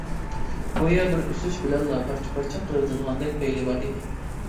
گويا بىر ئۈسۈش بىلەنلا پارچە-پارچە قىلىۋېتىدىغاندەك پەيلى بار ئىدى.